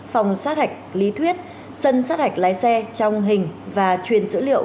phòng xác hạch lý thuyết sân xác hạch lái xe trong hình và truyền dữ liệu